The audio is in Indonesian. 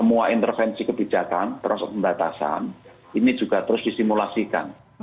semua intervensi kebijakan termasuk pembatasan ini juga terus disimulasikan